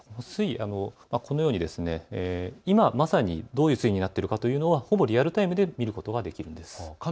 このように、今まさにどういう水位になっているかというのをほぼリアルタイムで見ることができるんです。